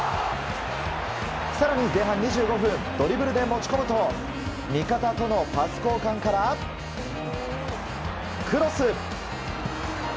更に前半２５分ドリブルで持ち込むと味方とのパス交換からクロス。